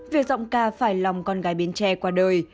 về giọng ca phải lòng con gái bến tre qua đời